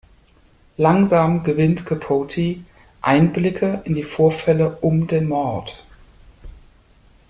Langsam gewinnt Capote Einblicke in die Vorfälle um den Mord.